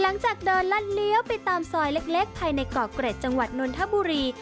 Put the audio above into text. หลังจากเดินลั่นเลี้ยวไปตามซอยเล็กภายในเกาะเกร็ดจังหวัดนนทบุรี